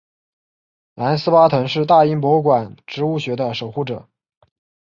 兰斯巴腾是大英博物馆植物学的守护者。